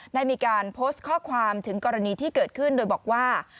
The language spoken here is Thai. ได้มีการโพสต์ข้อความถึงกรณีที่เกิดขึ้นโดยบอกว่า